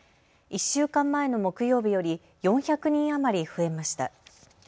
１週間前の木曜日より４００人余り増えました。